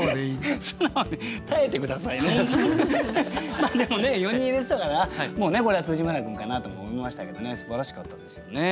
まあでもね４人入れてたからもうねこれは村君かなとも思いましたけどね素晴らしかったですよね。